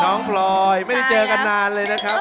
พลอยไม่ได้เจอกันนานเลยนะครับ